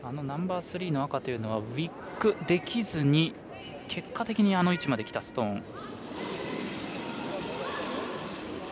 ナンバースリーの赤というのはウィックできずに結果的にあの位置まできたストーン。